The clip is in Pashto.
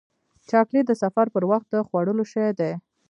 چاکلېټ د سفر پر وخت د خوړلو شی دی.